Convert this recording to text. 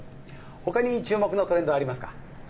他に注目のトレンドはありますか？